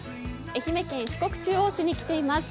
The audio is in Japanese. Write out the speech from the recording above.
愛媛県四国中央市に来ています。